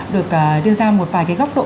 được đưa ra một vài góc độ